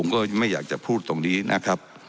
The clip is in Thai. ก็ไม่อยากจะพูดตรงนี้นะครับ